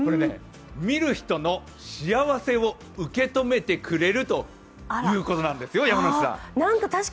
見る人の幸せを受け止めてくれるというものなんですよ。